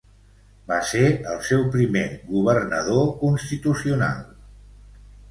Va ser el seu primer governador constitucional.